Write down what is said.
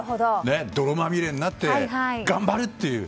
泥まみれになって頑張れと。